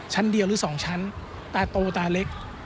ชั้นเดียวหรือ๒ชั้นตาโตตาเล็ก